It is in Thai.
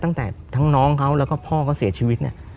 ตั้งแต่ทั้งน้องเขาแล้วก็พ่อก็เสียชีวิต